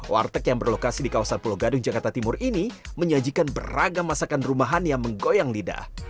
warteg yang berlokasi di kawasan pulau gadung jakarta timur ini menyajikan beragam masakan rumahan yang menggoyang lidah